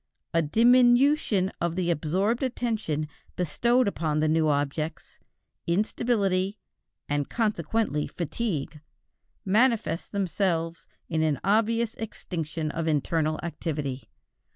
A diminution of the absorbed attention bestowed upon the new objects, instability, and consequently fatigue, manifest themselves in an obvious extinction of internal activity.